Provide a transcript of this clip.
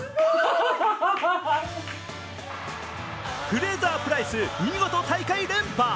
フレイザー・プライス、見事大会連覇。